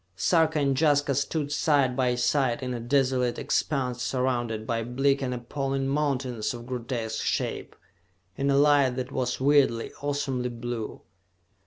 Sarka and Jaska stood side by side in a desolate expanse surrounded by bleak and appalling mountains of grotesque shape, in a light that was weirdly, awesomely blue.